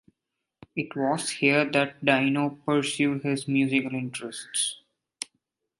It was here that Dino pursued his musical interests.